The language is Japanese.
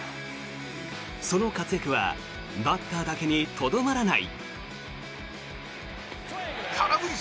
その活躍はバッターだけにとどまらない。